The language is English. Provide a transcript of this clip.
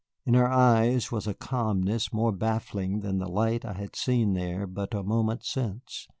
In her eyes was a calmness more baffling than the light I had seen there but a moment since.